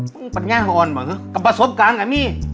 มึงปัดง่ายหออนเหมือนกับประสบการณ์ไงมี่